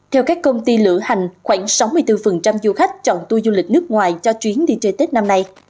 theo các công ty lửa hành khoảng sáu mươi bốn du khách chọn tour du lịch nước ngoài cho chuyến đi chơi tết năm nay